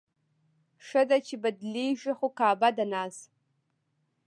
ښه ده، چې بدلېږي خو کعبه د ناز